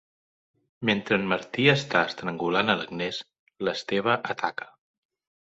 Mentre en Martí està estrangulant a l'Agnès, l'Esteve ataca.